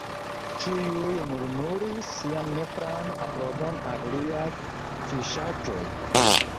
Ĉiuj murmuris sian nepran aprobon al liaj fiŝaĵoj.